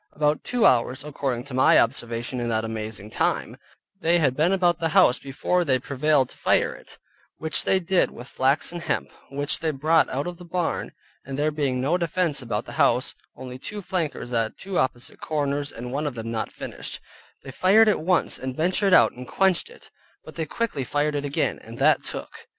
About two hours (according to my observation, in that amazing time) they had been about the house before they prevailed to fire it (which they did with flax and hemp, which they brought out of the barn, and there being no defense about the house, only two flankers at two opposite corners and one of them not finished); they fired it once and one ventured out and quenched it, but they quickly fired it again, and that took.